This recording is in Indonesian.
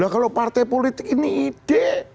kalau partai politik ini ide